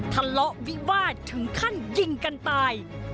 ทะเลาะวิวาสถึงขั้นยิงกันตาย